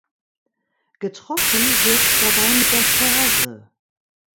Getroffen wird dabei mit der Ferse.